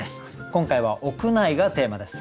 今回は「屋内」がテーマです。